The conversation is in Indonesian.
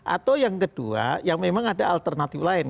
atau yang kedua yang memang ada alternatif lain